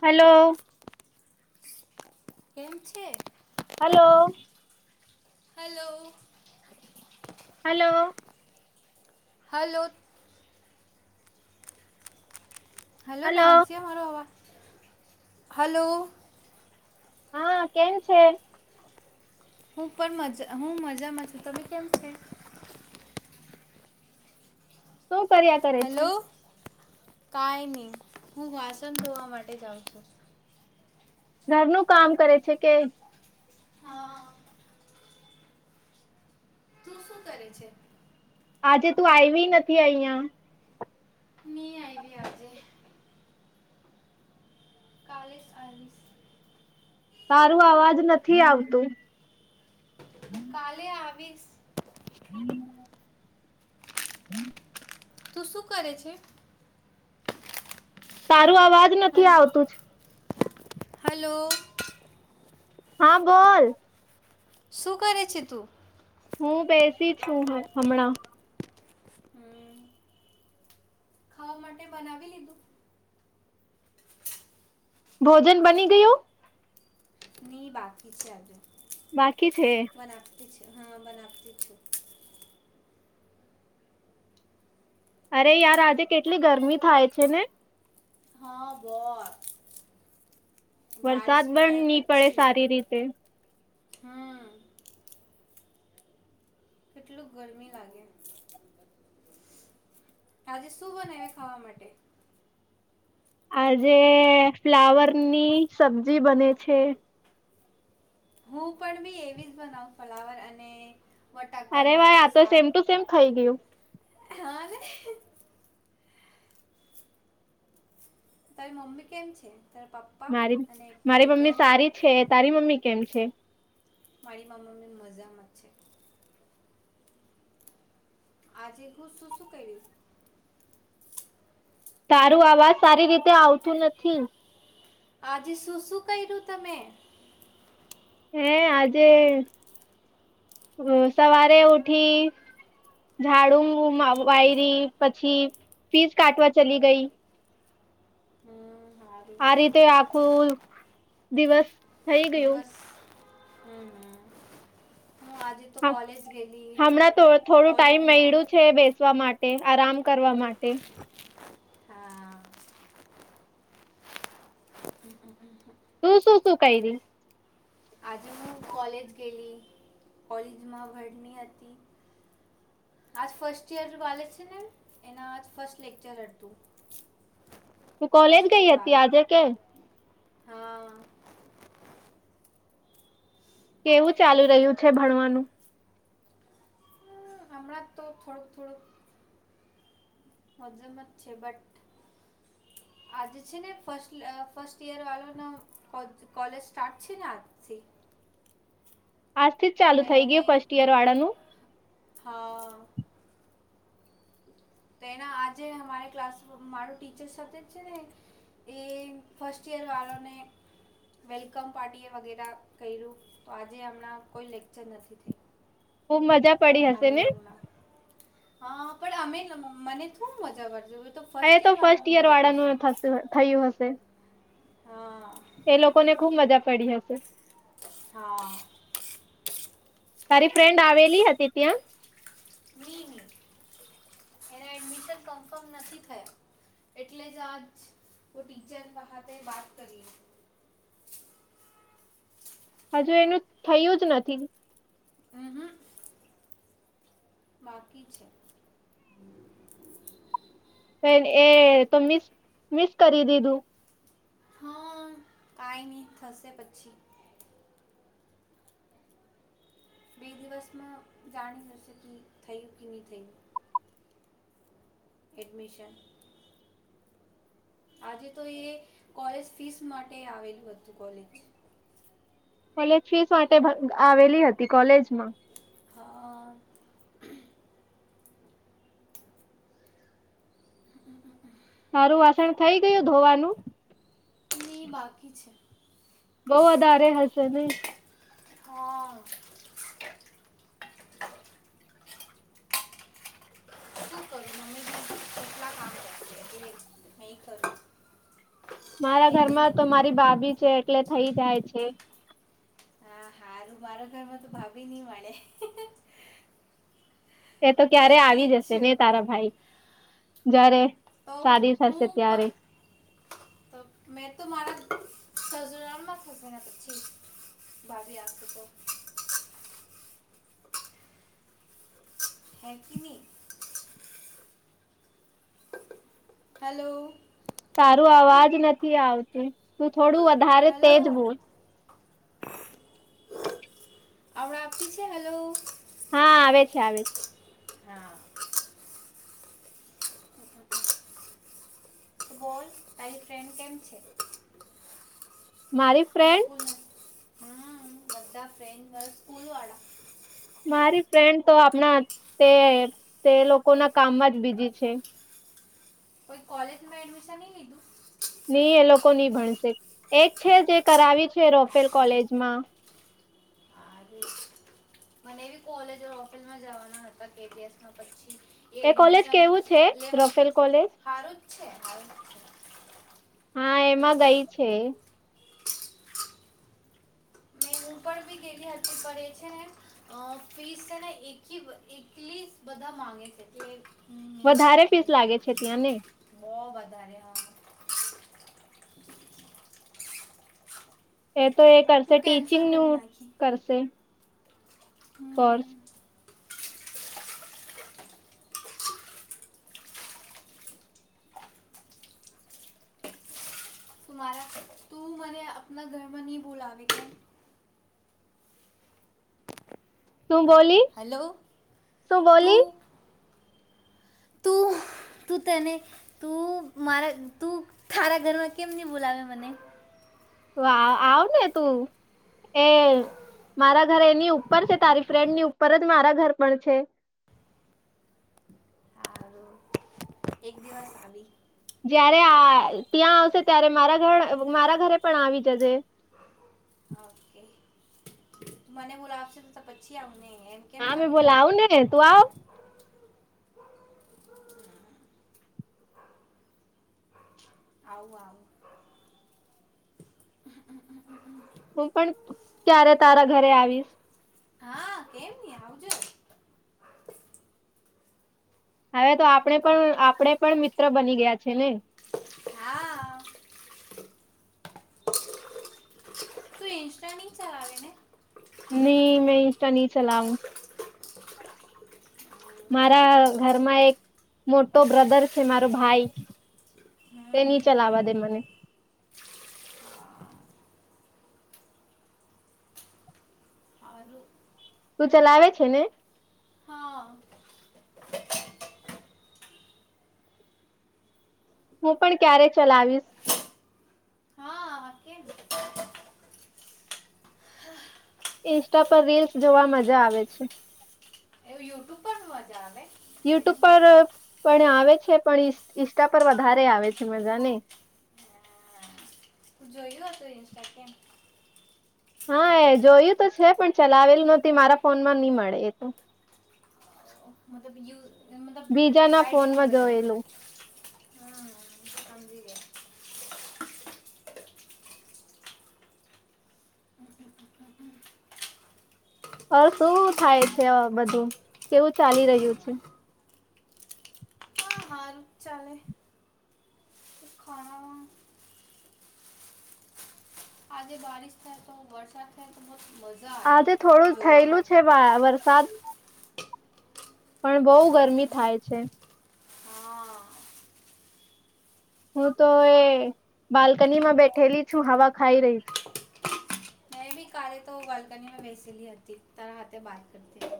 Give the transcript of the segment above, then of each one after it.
Hello! કેમ છે? Hello! Hello! Hello! Hello! Hello, hello નાજયા મારો આવા હલો. હા કેમ છે.? હું પણ મા હું મજામાં છું. તમે કેમ છે.? તો, કર્યા કરે છે.? કાઈ નહી, હું વાસણ ધોવા માટે જાઉં છું. ઘરનું કામ કરે છે કે? હા, તું શું કરે છે.? આજે તું આવી નથી અહંયા ન આઈ ભઈ આજે, કાલેસ આવીસ. તારું અવાજ નથી આવતું. કાલે આવીસ. હમ હમ [unintelligible] તું શું કરે છે.? તા. [inaudible] અવાજ નથી હલ આવતું જ હલો, હા બોલ.? શું કરે છે તું.? હું બેસી છું હમણાં હમ [unintelligible] ખાવા માટે બનાવી લીધું. ભોજન બની ગયું. નહી બાકી છે આજે બાકી છે. બનાવતી છે હા બના આપલી છું. અરે યાર આજે કેટલી ગરમી થાય છે ને. હા બસ [unintelligible] બારિશ વરસાદ બી પણ થાય નહી પડે પછી સારી રીતે હમ કેટલું ગરમી લાગે. આજે શું બનાવે ખાવા માટે? આજે ફ્લાવર ની સબ્જી બને છે. હું પણ બી એવી જ બનાવ ફ્લાવર અને અરે બટાકાનું ભાઈ આ તો સેમ ટુ સેમ થઇ ગયું. હ રે. તારી મમ્મી કેમ છે? તારા પપ્પા મારી અને મારી તારી મમ્મી બેન સારી છે, તારી મમ્મી કેમ છે? મારી મા મમ્મી મજામાં છે. આજે હું શું શું કર્યું? તારું અવાજ સારી રીતે આવતું નથી. આજે શું શું કર્યું તમે? હે આજે વ સવારે ઉઠી, ઝાડું માં વાયરી પછી ફીસ કાટવા ચલી ગઈ. હમ સારું આ રીતે આખું દિવસ થઈ ગયું. દિવસ હમ હમ હું આજે તો હ કોલેજ ગયેલી હમણાં તો થોડું ટાઈમ કોલેજમાં મેડ્યું છે બેસવા મા તે આરામ કરવા મા હા. તું શું શું કઈરી? આજે હું કોલેજ ગયેલી કોલેજમાં વડની હતી આજ ફર્સ્ટ ઈયર વાલે છે ને એના આજ ફસ્ટ લેક્ચર હતું. હું કોલેજ ફર્સ્ટ ગઈ યર હતી વાળા આજે કે હા કેવું ચાલુ રહ્યું છે ભણવાનું હમ, હમણાં તો થોડુંક થોડુંક મજમ જ છે બટ આજે છે ને ફસ્ટ ઈયર વાળ કોલેજ સ્ટાર્ટ છે ને આજથી. આજથી જ તો ચાલુ થઇ ગય એને ફર્સ્ટ યર વાળાનું. હા. તો એના આજે અમારે ક્લાસ મારું ટીચર સાથે છે ને એ ફસ્ટ યર વાળને વેલકમ પાર્ટી વગે કર્યું આજે હમણા કોઈ લેકચર નથી થ ખુબ મજા પડી હશે ને. હા પણ અમે મને થો મજા કરજ. હ તો ફર્સ્ટ ઈયર વાળાનું થયું હશે. હા એ લોકોને ખુબ મજા પડી હશે. હા તારી ફ્રેન્ડ આવેલી હતી ત્યાં. મિનમ નથી થયા એટલે જ આજ ટીચત હજુ એનું થયું જ નથી. હમ હ બાકી છે. એ તો મિસ મિસ કરી દીધું. હા કઈ નહી થશે પછી. બે દિવસમાં જાણી જશે કે થયું કે નહી થયું. એડમિશન આજે તો એ કોલેજ ફીસ માટે આવેલું હતું કોલેજ. કોલેજ ફીસ માટે આવેલી હતી કોલેજમાં. હા હમ સારું વાસણ થઈ ગયું ધોવાનું. હીં બાકી છે. બહ વધારે હશે ને. હમ શું કરું ની કેટલા કામ કર છે હ કરું. મારા હે કે ઘરમાં તો નહીં મારી ભાભી છે એટલે થઈ જાય છે. હા હાારું મારા ઘરમાં તો ભભી નહ મળે. એ તો હું ક્યારે આવી એકલી જ જશે ને છું તારા ભાઈ. જારે [inaudible] [inaudible] હે ક ન હલો. તારું અવાજ નથી આવતું. તું થોડું વધારે તેજ ભૂલ [inaudible] હા, આવે છે, આવે છે. હા. બોલ, તારી ફ્રેન્ડ કેમ છે? મારી ફ્રેન્ડ હમ્મ, બધા ફ્રેન્ડ, તારા સ્કૂલ વાળા મારી ફ્રેન્ડ તો આપણા તે તે લોકો ના કામમાં જ બીજી છે. કોઈ કોલેજમાં એડમિશનની લીધું? ની એ લોકોની ભણશે, એજ છે જે કરાવી છે રોફેલ કોલેજમાં હરે મને એવી કોલેજ રોફેલમાં જવાના હતા કેપીએસમાં પછી એ કોલેજ કેવું છે લેવા રફેલ કોલેજ સારું જ છે સારું જ છે હા એમાં ગઈ છે હું પણ બી કેટલી હજ પડે છે ને ફીસ એક એકલી બધા માંગે છે કે વધારે ફીસ લાગે છે ત્યાંને બહુ વધારે હા એ તો એ કરશે હું કેન્સલ ટીચિંગ કરી નું નાખી કરશે ઓર હમ, મારા તું મને આપના ઘરમાં નહી બોલાવી કે શું બોલી હલો [unintelligible] શું બોલી તું [unintelligible] તું તું તને તું મારા તું તારા ઘરમાં કેમ નહી બોલાવે મને વાવ આવ ને તું એ મારા ઘર એની ઉપર છે તારી ફ્રેન્ડ ની ઉપર જ મારા ઘર પણ છે હ એક દિવસ આવી જયારે આ ત્યાં આવશે ત્યારે મારા ઘર મારા ઘરે પણ આવી જજે ઓકે [unintelligible] મને બોલા આપશે તો પછી આવ હા મેં બોલા આવું ને તું આવ આવું આવ [inaudible] હું પણ ક્યારે તારા ઘરે આવીશ હા કેમ નહ આવજે હવે તો આપણે પણ આપણે પણ મિત્ર બની ગયા છે ને હા તું ઇન્સ્ટા નહી ચલાવે ને નહી મે ઇસ્ટા ન ચલાઉ મારા ઘરમાં એક મોટો બ્રધર છે મારો ભાઈ તે હમ ની ચલાવા દે મને સારું તું ચલાવે છે ને હા હું પણ ક્યારે ચલાવીશ હા કેમ ઇન્સ્ટા પર રીલ્સ જોવા મજા આવે છે જા યુટ્યુબ પર પણ આવે છે પણઈ ઈષ્ટા પર વધારે આવે છે મજાને હા. જોયું હતું ઇન્સ્ટા કેમ હા એ જોયું તો છે પણ ચલાવેલું નથીહતી મારા ફોનમાં નઈ મળે એ તોું મતલબ યુ મતલબ બીજા ના આઈડી ફોન નહીં માં બનાવી જોયેલું હમ સમજી ગયા હ શું થાય છે બધું કેવું ચાલી રહ્યું છે હા સારું ચાલે ખાણામાં આજે બારિશ થાય તો વરસાદ થાય તો બ આજે થોડું થયેલું છે વરસાદ પણ બહુ ગરમી થાય છે હા હું તો એ બાલ્કની માં બેઠેલી છું હવા ખાઈ રહી છુ મેં બી કાલે તો હુ બાલ્કની માં બેસેલી હતી તારા હાથે બાત કરતી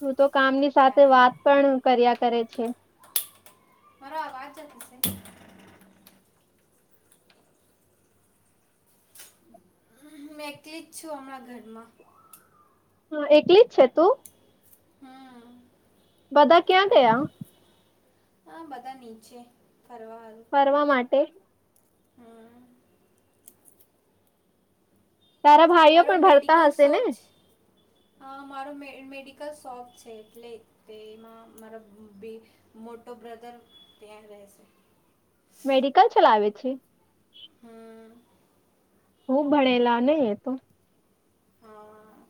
[unintelligible] તો કામની સાથે ત્યારે વાત પણ કર્યા કરે છે મારો આવાજ [unintelligible] ક છું આપરા ઘરમાં હા, એકલી જ છે તું? હમ બધા ક્યાં કોઈ ગયા? નહીં હા, બધા નીચે ફરવા હારું. ફરવા માટે હમ તારા ભાઈઓ મારો પણ ભરતા મેડિકલ હશે ને? શોપ છે હા, મારો મેડિકલ શોપ છે એટલે તેમાં મારા બે મોટો બ્રધર ત્યાં રહેશે મેડિકલ ચલાવે છે. હમ્મ. હું ભણેલા નહી તો હા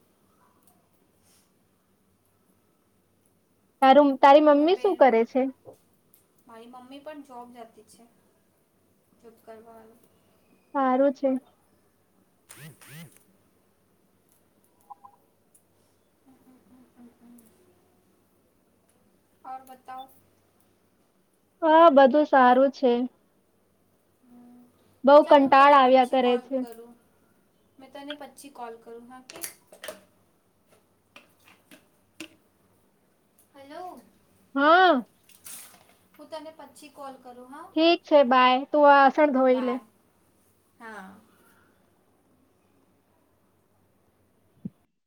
તારું તારી મેં મમ્મી શું બેનમાં કરે છે મારી મમ્મી પણ જોબ જતી છે જોબ કરવા વાળું સારું છે ર્રક ફ્રજ આવ બતાઓ. હા બધું સારું છે. બઉ હું કંટાળ તને આવ્યા પછી કરે કોલ છે. કરું મેં તને પછી કોલ કરું હા કે હેલો હા હું તને પછી કોલ કરું હા ઠીક છે બાય તું આસણ ધોઈ લે. બાય હા